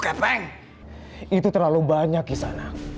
ketikamyu mau dikuleng